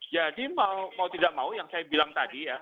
jadi mau tidak mau yang saya bilang tadi ya